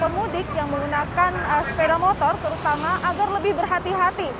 pemudik yang menggunakan sepeda motor terutama agar lebih berhati hati